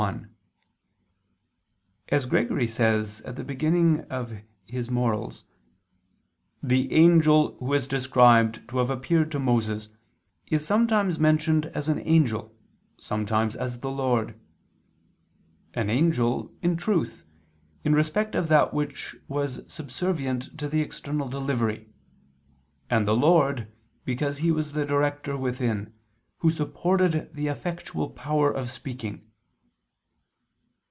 1: As Gregory says at the beginning of his Morals (Praef. chap. i), "the angel who is described to have appeared to Moses, is sometimes mentioned as an angel, sometimes as the Lord: an angel, in truth, in respect of that which was subservient to the external delivery; and the Lord, because He was the Director within, Who supported the effectual power of speaking."